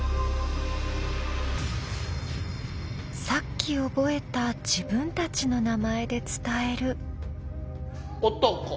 さっき覚えた自分たちの名前で伝える。